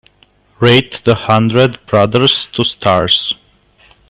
Rate The Hundred Brothers two stars.